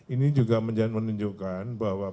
ini juga menunjukkan bahwa